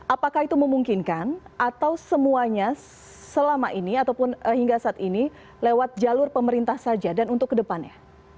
apakah itu memungkinkan atau semuanya selama ini ataupun hingga saat ini lewat jalur pemerintah saja dan untuk kedepannya